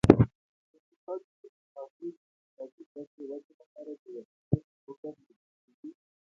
اقتصادي ډیپلوماسي د اقتصادي ګټو ودې لپاره د وسیلې په توګه لیدل کیږي